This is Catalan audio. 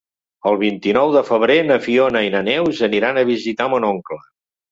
El vint-i-nou de febrer na Fiona i na Neus aniran a visitar mon oncle.